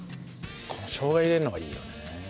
このしょうが入れるのがいいよね。